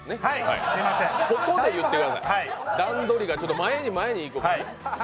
ここで言ってください、段取りが前に前に。